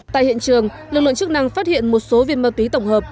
tại hiện trường lực lượng chức năng phát hiện một số viên ma túy tổng hợp